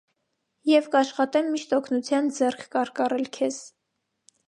և կաշխատեմ միշտ օգնության ձեռք կարկառել քեզ…